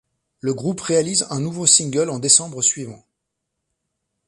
Le groupe réalise un nouveau single en décembre suivant.